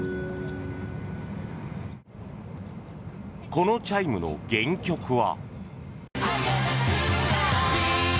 このチャイムの原曲は。